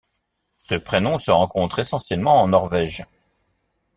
Ce prénom se rencontre essentiellement en Norvège.